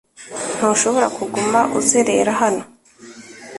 Ntushobora kuguma uzerera hano .